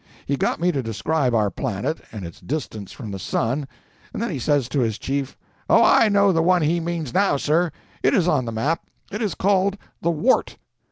He got me to describe our planet and its distance from the sun, and then he says to his chief— "Oh, I know the one he means, now, sir. It is on the map. It is called the Wart."